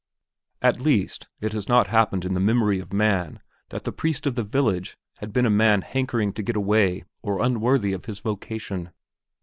At least, it has not happened in the memory of man that the priest of the village had been a man hankering to get away or unworthy of his vocation.